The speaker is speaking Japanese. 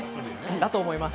だと思います。